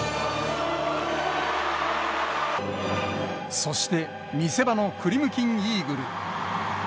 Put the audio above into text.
そして、見せ場のクリムキンイーグル。